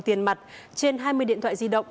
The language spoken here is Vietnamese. tiền mặt trên hai mươi điện thoại di động